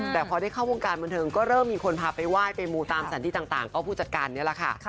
แต่พอได้เข้าวงการบันเทิงก็เริ่มมีคนพาไปไหว้ไปมูตามสถานที่ต่างก็ผู้จัดการนี่แหละค่ะ